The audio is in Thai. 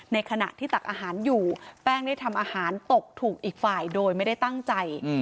ในขณะที่ตักอาหารอยู่แป้งได้ทำอาหารตกถูกอีกฝ่ายโดยไม่ได้ตั้งใจ